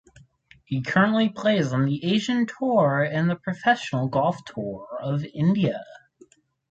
He currently plays on the Asian Tour and the Professional Golf Tour of India.